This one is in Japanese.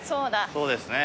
そうですね。